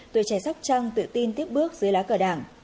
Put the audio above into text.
tuổi trẻ sóc trăng tự tin tiếp bước dưới lá cờ đảng